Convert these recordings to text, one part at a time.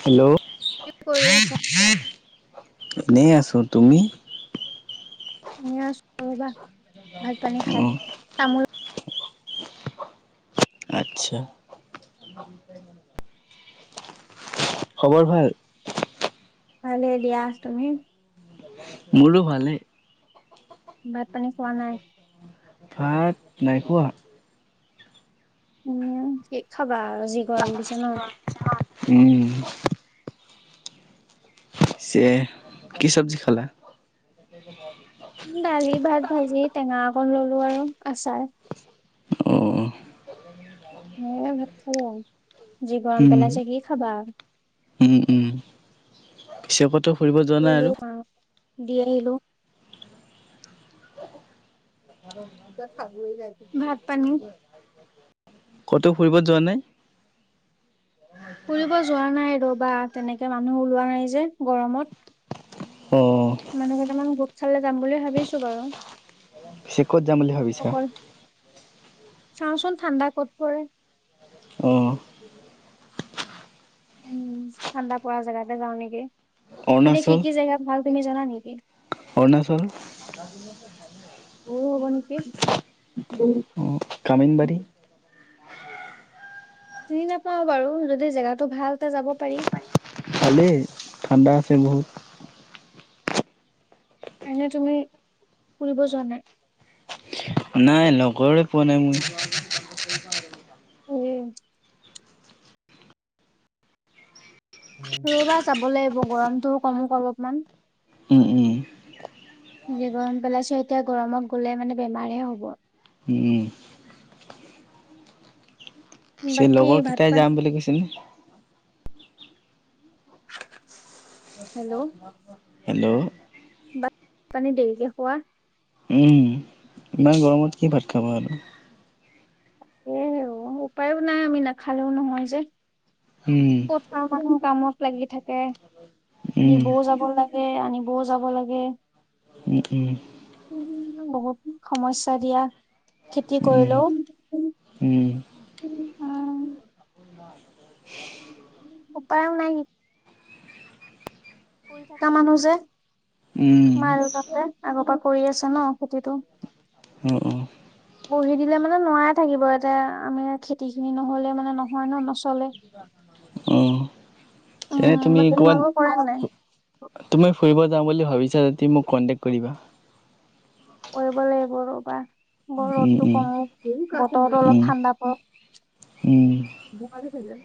Hello কৰি আছা? এনেই আছো তুমি? এনেই আছোঁ ৰবা ভাত পানী অ খাও তামোল আচ্ছা। খবৰ ভাল? ভালে দিয়া, তুমি? মোৰো ভালেই। ভাত পানী খোৱা নাই? ভাত নাইখোৱা। উম কি খাবা আৰু যি গৰম দিছে। ন। উম, পিছে কি চব্জি খালা? [unintelligible] দালি ভাত ভাজি টেঙা অকণ ললো আৰু আচাৰ। অ', হেয়ে ভাত খাব যি গৰম পেলাইছে কি খাবা? উম-উম। পিছে কতো ফুৰিব যোৱা গলো আৰু মা দি আহিলো। [unintelligible] ভাত পানী। ক'তো ফুৰিব যোৱা নাই? ফুৰিব যোৱা নাই ৰবা তেনেকে মানুহ ওলোৱা নাই যে গৰমত। অ', মানুহ কেইটামান গোট চালে যাম বুলি ভাবিছো বাৰু। পিছে ক'ত যাম বুলি ভাবিছা? অকল চাওচোন ঠাণ্ডা ক'ত পৰে? অ', উম, ঠাণ্ডা পৰা জেগাতে যাও নেকি এনে অৰুণাচল কি-কি জেগাত ভাল তুমি জানা নেকি? অৰুণাচল দুৰ হ'ব নেকি? [unintelligible] অ, কামিনবাৰী চিনি নাপাও বাৰু যদি জেগাটো ভাল তে যাব পাৰি। ভালেই ঠাণ্ডা আছে বহুত। এনে তুমি ফুৰিব যোৱা নাই? নাই লগৰে পোৱা নাই মোৰ। এ ৰ'বা চাব লাগিব গৰমটো কমোক অলপমান। উম-উম। যি গৰম পেলাইছে এতিয়া গৰমত গলে মানে বেমাৰে হব। উম, সেন বাকী লগৰ ভাত কেইটাই পানী যাম বুলি কৈছিল। হেল্ল', হেল্ল', ভাত পানী দেৰিকে খোৱা? উ, ইমান গৰমত কি ভাত খাব আৰু। এই উপায়ো নাই আমি নাখালেও নহয় যে। উম, চব মানুহ কামত লাগি থাকে উম, দিবও যাব লাগ এ আনিবও যাব লাগে। উম-উম। বহুত সমস্যা দিয়া খেতি উম, কৰিলেও। উম, উম, অ', উপাইও নাই। কৰি থাকা মানুহ যে উম, মা দেউতা হতে আগৰ পৰা কৰি আছে ন খেতিটো। অ', অ', পঢ়ি দিলে মানে নোৱা এ থাকিব এতে আমি খেতি খিনি নহলে মানে নহয় ন নচলে। উম, তেন্তে উম তুমি বাকী ক'ৰবাত, তোমালোকৰ কৰা নাই ফু তুমি ফুৰিব যাওঁ বুলি ভাবিছা যদি মোক কণ্টেক্ট কৰি দিবা? কৰিব লাগিব ৰ'বা! ব উম, ৰ'দটো উম, কমক বতৰটো অলপ উম, ঠাণ্ডা পক উম। ধেমালি হয় যায়।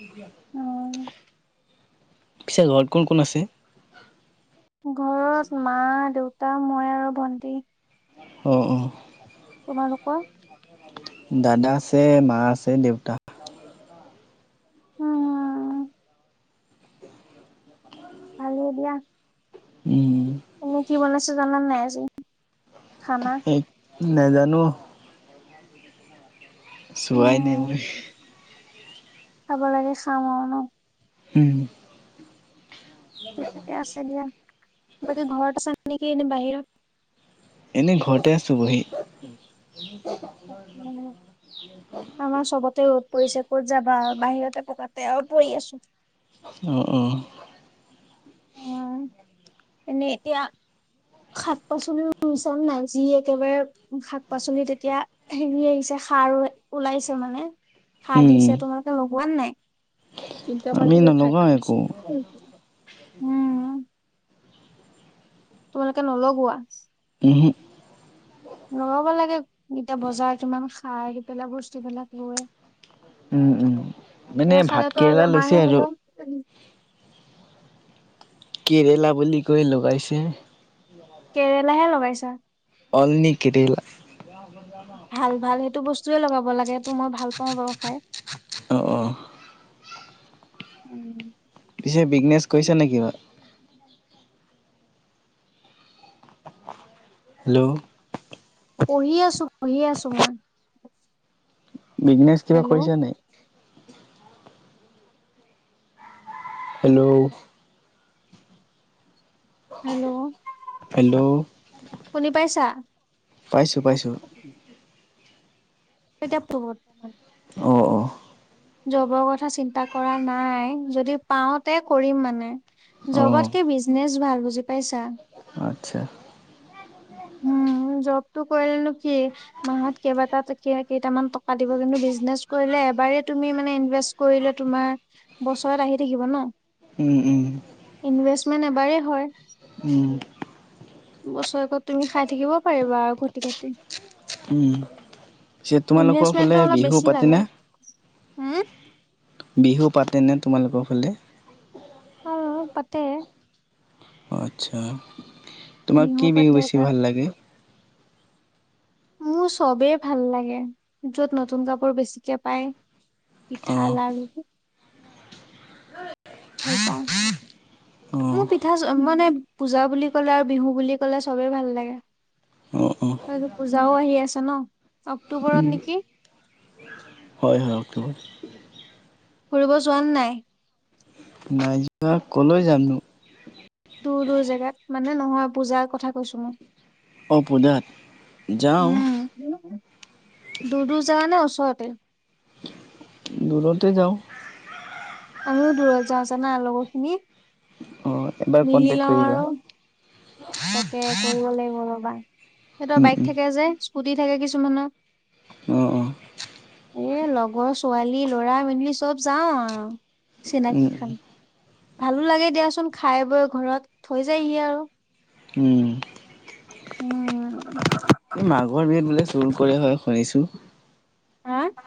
[inaudible] পিছে ঘৰত কোন কোন আছে? ঘৰত মা, দেউতা, মই আৰু ভন্টি। অঁ অঁ। তোমালোকৰ? দাদা আছে, মা আছে, দেউতা। উম। ভালে দিয়া। উম। ম কি বনাইছে জানান নাই আজি? খানা এক নাজানো। চোৱাই নাই মই। চাব লাগে চাম আৰু ন? উম। ঠিকে আছে দিয়া, বাকী ঘৰতে চান নেকি নে বাহিৰত? এনেই ঘৰতে আছোঁ বহি। আমাৰ চবতে গ পৰিছে ক'ত যাবা বাহিৰতে পকাতে আৰু পৰি আছো। অ অ। উম এনে এতিয়া শাক - পাচলিও ৰুই চাম নাই, যি একেবাৰে শাক - পাচলি তেতিয়া হেৰি আহিছে সাৰ ওলাইছে মানে। সাৰ উম, দিছে তোমালোকে লগোৱা ন নাই? কেতিয়াবা আমি কিবা খাই নলগাওঁ একো পাইছোঁ উম। উম। তোমালোকে নলগোৱা? উহো। লগাব লাগে এতিয়া বজাৰত ইমান খাই আহি পেলাই বস্তুবিলাক লয়। উম, উম, মানে এ ভাত খালে ত আৰু কেৰেলা বেমাৰ লৈছে হে আৰু হব। কেৰেলা বুলি কৈ লগাইছে। কেৰেলাহে লগাইছা। অনলি কেৰেলা। ভাল ভাল সেইটো বস্তুয়ে লগাব লাগেটো, মই ভাল পাওঁ বাৰু খাই। অ অ। উম। পিছে বিগনেছ কৰিছা নে কিবা? হেল্ল'! পঢ়ি আছো পঢ়ি আছো মই। বিজনেছ কিবা হেল্ল' কৰিছা নাই? হেল্ল'? হেল্ল' হেল্ল' শুনি পাইছা? পাইছোঁ পাইছোঁ। এতিয়া পহৰ্তমান অঁ অঁ। জবৰ কথা চিন্তা কৰা নাই, যদি পাওঁতে কৰিম মানে। অ', জবতকে বিজনেচ ভাল বুজি পাইছা? আচ্ছা। উম জবটো কৰিলেনো কি মাহত কেইবাটাত টকীয়া কেইটামান টকা দিব কিন্তু বিজনেচ কৰিলে এবাৰে তুমি মানে ইনভেষ্ট কৰিলে তোমাৰ বছৰত আহি থাকিব ন। উম, উম, ইনভেষ্টমেন এবাৰে হয়, উম, বছৰেকত তুমি খাই থাকিব পাৰিবা আৰু ঘটি ঘটি। উম। পিছে তোমালোকৰ ফালে ইনভেষ্টমেন্টটো অলপ বিহু বেছি লাগে পাতেনে? হা! বিহু পাতেনে তোমালোকৰ ফালে? অ পাতে। অ আচ্ছা, তোমাক কি বিহু পাতে বেছি তাত। ভাল লাগে? মোৰ চবেই ভাল লাগে, যত নতুন কাপোৰ বেছিকে পায়। পিঠা, অ', লাৰু ভাল পাওঁ মো অ', পিঠা মানে পূজা বুলি কলে আৰু বিহু বুলি কলে চবে ভাল লাগে। অ', অ', হয়তো পূজাও আহি আছে ন, অক্টোবৰত উম, নেকি? হয় হয় অক্টোবৰ। ফুৰিব যোৱা নে নাই? নাই যোৱা কলৈ যামনো? দূৰ দূৰ জেগাত মানে নহয় পূজাৰ কথা কৈছো মই। অ পূজাত যাওঁ। [unintelligible] দূৰ দূৰ যাৱা নে ওচৰতে। দূৰতে যাওঁ। আমিও দূৰত যাওঁ জানা লগৰখিনি অ' এবাৰ মিলি কণ্টেক্ট লওঁ কৰিবা আৰু তাকে কৰিব লাগিব ৰ'বা, সিহঁতৰ উম, বাইক উম, থাকে যে স্কুটি থাকে কিছুমান। অ অ এ লগৰ ছোৱালী ল'ৰা মেলি চব যাওঁ আও চিনাকি উম, উম, খাম, ভালো লাগে দিয়াচোন খাই বৈ ঘৰত থৈ যায়হি আৰু। উম। উম। এই মাঘৰ বিহুত বোলে চুৰ কৰে হয় শুনিছো?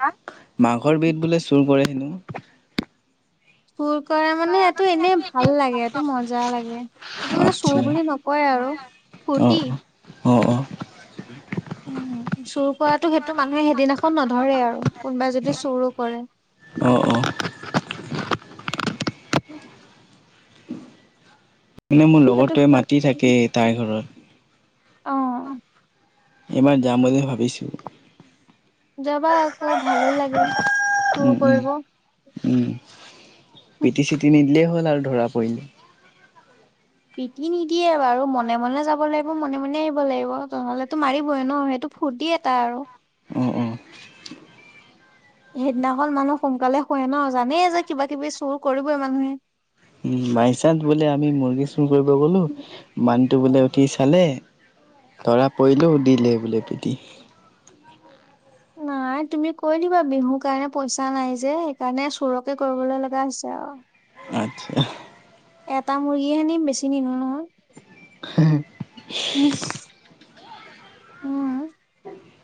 হা, মাঘৰ বিহুত বোলে চুৰ কৰে হেনো? চুৰ কৰে মানে এইটো এনেই ভাল লাগে। এইটো মজা লাগে এইটো মানে চুৰ আচ্ছা বুলি নক কয় আৰু ফূৰ্তি। অহ অহ উম। উ চুৰ কৰাটো সেইটো মানুহে সেইদিনাখন নধৰে আৰু কোনোবাই যদি চুৰো কৰে। অ অ। মানে মোৰ সেইটো লগৰতোৱে কিবা মাতি থাকে তাইৰ ঘৰত। অ'হ। এইবাৰ যাম বুলি ভাবিছো। যাবা আকৌ ভালো লাগে চুৰ উম, উম, কৰিব। উম পিটি চিটি নিদিলেই হ'ল আৰু ধৰা পৰিল। পিটি নিদিয়ে বাৰু মনে মনে যাব লাগিব মনে মনে আহিব লাগিব নহলেতো মাৰিবই ন সেইটো। ফূৰ্তি এটা আৰু। অহ অহ সেইদিনাখন মানুহ সোনকালে শুৱে ন জানেই যে কিবা কিবি চুৰ কৰিবই মানুহে। উ বাই চানঞ্চ বোলে আমি মুৰ্গী চুৰ কৰিব গলো মানুহটো বোলে উঠি চালে। ধৰা পৰিলো দিলে বোলে পিতি। নাই তুমি কৈ দিবা বিহুৰ কাৰণে পইচা নাই যে সেইকাৰণে চোৰকে কৰিবলৈ লগা হৈছে আও। আচ্ছা। এটা মুৰ্গী হে নিম, বেছি নিনো নহয়। হে। উম'। [unintelligible]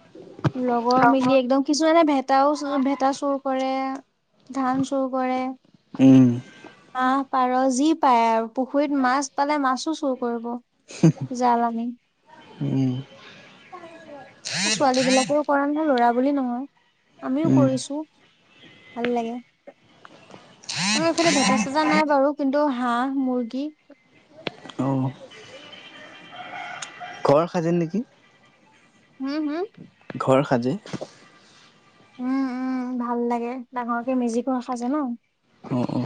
লগৰ মিলি একদম কিছু এনে ভেটাও, ভেটা চুৰ কৰে। ধান চুৰ কৰে। উম। হাহ, পাৰ যি পায় আৰু পুখুৰীত মাছ পালে, মাছো চুৰ কৰিব। জাল আনি। উ'ম। ছোৱালী বিলাকেও কৰে নহয়, ল'ৰা বুলি নহয়। আমিও উম কৰিছোঁ। ভাল লাগে। আমাৰ এইফালে ভেকা চেজা নাই বাৰু কিন্তু হাঁহ, মুৰ্গী। অ ঘৰ সাজে নেকি? হুম, হুম। ঘৰ সাজে। উম-উম ভাল লাগে। ডাঙৰকে মেজিকো ৰাখা যে ন। অ-অ।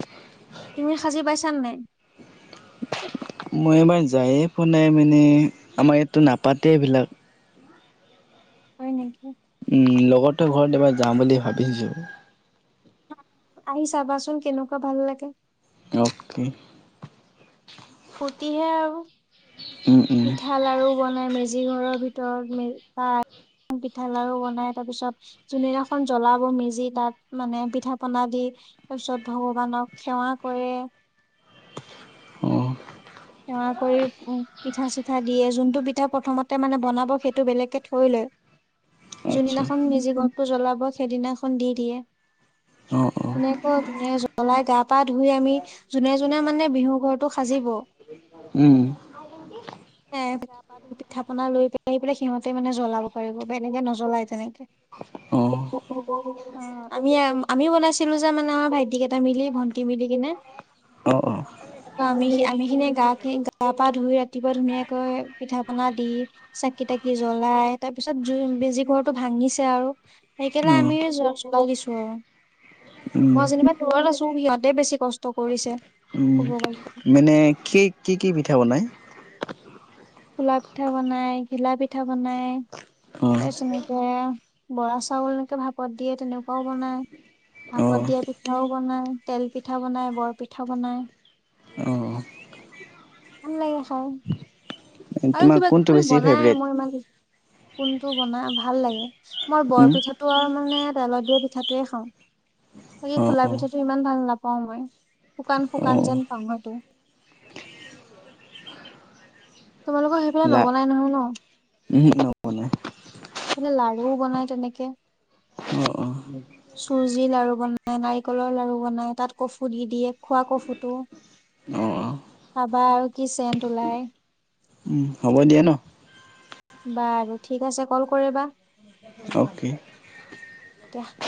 তুমি সাজি পাইছানে নাই? মই এবাৰ যায়ে পোৱা নাই মানে আমাৰ ইয়াতটো নাপাতে এইবিলাক। হয় নেকি। উম' লগৰতো ঘৰত এবাৰ যাওঁ বুলি ভাবিছোঁ। আহি চাবাচোন কেনেকুৱা ভাল লাগে। উম' [unintelligible] ফূৰ্টিহে আৰু। উম উম পিঠা, লাড়ু বনাই মেজি ঘৰৰ ভিতৰত। মে বা পিঠা, লাড়ু বনাই। তাৰ পিছত যোনদিনাখন জ্বলাব মেজি তাত মানে পিঠা-পনা দি তাৰপিছত ভগৱানক সেৱা কৰে। অঁ সেৱা কৰি পিঠা-চিঠা দিয়ে। যোনটো পিঠা প্ৰথমতে মানে বনাব সেইটো বেলেগকে থৈ লয়। আচ্ছা যোনদিনাখন মেজি ঘৰটো জ্বলাব, সেইদিনাখন দি দিয়ে। অঁ অঁ এনেকৈ যোনে জ্বলাই গা-পা ধুই আমি যোনে-যোনে মানে বিহু ঘৰটো সাজিব উম' এ গা-পা ধুই পিঠা পনা লৈ, লৈ পেলাই সিহঁতে মানে জ্বলাব পাৰিব। বেলেগে ন জ্বলাই তেনেকে। অ'হ অ আমি আমিও বনাইছিলোঁ যে মানে আমাৰ ভাইটি কেইটা মিলি, ভন্টি মিলি কেনে। অ অ'হ অ আমি, আমি খিনি গা কি গা-পা ধুই ৰাতিপুৱা বৰ ধুনীয়াকৈ পিঠা পনা দি চাকি-তাকি জ্বলাই, তাৰপিছত জুই মেজি ঘৰটো ভাঙিছে আৰু। সেই কেনে অঁ আমি জ্বলাই দিছো আৰু। উম মই যেনিবা দূৰত আছো। সিহঁতে বেছি কষ্ট কৰিছে উম, ক'ব গ'লে। মানে কি, কি, কি পিঠা বনায়? খোলা পিঠা বনাই, ঘিলা পিঠা বনাই। অ', তাৰপিছত এনেকে আ বৰা চাউল এনেকে ভাপত দিয়ে, তেনেকুৱাও বনাই। ভাপত অ', দিয়া পিঠাও বনাই, তেল পিঠা বনাই, বৰ পিঠা বনাই। অ। [unintelligible] লাগে খাই। আৰু তোমাৰ কিবা কোনটো কিবি বেছি বনাই ফেভৰেট? মই ইমান কোনটো বনাই ভাল লাগে। মই উম, বৰপিঠাটো আৰু মানে ডালত দিয়া পিঠাটোয়ে খাওঁ। বাকি অ', খোলা অ', পিঠাটো ইমান ভাল নাপাও মই শুকান শুকান অ', যেন পাওঁ সেইটো। তোমালোকৰ সেইফালে নবনাই নহয় ন? উম ন নবনাই। মানে লাৰুও বনাই তেনেকে। অঁ অঁ চুজিৰ লাৰু বনাই নাৰিকলৰ লাৰু বনাই তাত কফু দি দিয়ে খোৱা কফুটো। অ', অ', খাবা আৰু কি চেণ্ট ওলাই। উম, হ'ব দিয়া ন? বাৰু, ঠিক আছে কল কৰিবা অ'কে। দিয়া।